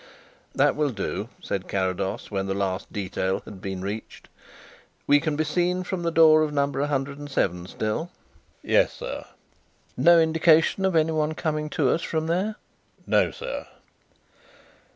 "That will do," said Carrados, when the last detail had been reached. "We can be seen from the door of No. 107 still?" "Yes, sir." "No indication of anyone coming to us from there?" "No, sir."